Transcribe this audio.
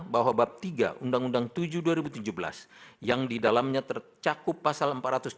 bahwa bab tiga undang undang tujuh dua ribu tujuh belas yang didalamnya tercakup pasal empat ratus tujuh puluh